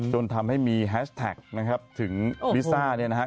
จนทำให้มีแฮชแท็กนะครับถึงลิซ่าเนี่ยนะครับ